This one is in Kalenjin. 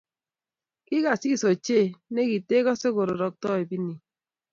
Kikasis ochei ne kitekase kororoktoi pinit